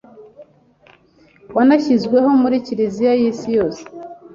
wanashyizweho muri Kiliziya y’isi yose